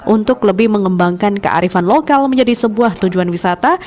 untuk lebih mengembangkan kearifan lokal menjadi sebuah tujuan wisata